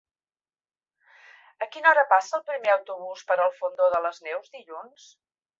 A quina hora passa el primer autobús per el Fondó de les Neus dilluns?